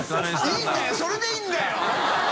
いいんだよそれでいいんだよ！